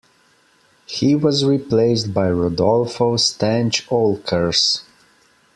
He was replaced by Rodolfo Stange Oelckers.